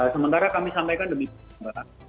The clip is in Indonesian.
sementara kami sampaikan demi pemeriksaan mbak